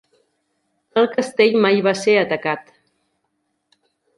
El castell mai va ser atacat.